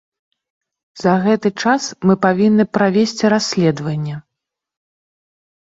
За гэты час мы павінны правесці расследаванне.